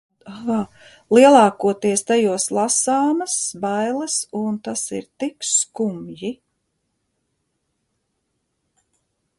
Lielākoties tajos lasāmas bailes un tas ir tik skumji.